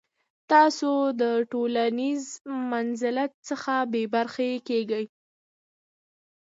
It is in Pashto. تاسو د ټولنیز منزلت څخه بې برخې کیږئ.